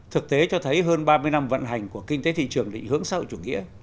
thực tế cho thấy hơn ba mươi năm vận hành của kinh tế thị trường định hướng xã hội chủ nghĩa